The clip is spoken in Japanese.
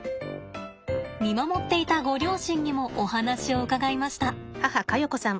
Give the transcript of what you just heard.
見守っていたご両親にもお話を伺いました。